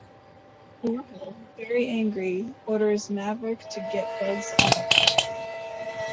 Orville, very angry, orders Maverick to get Bugs out.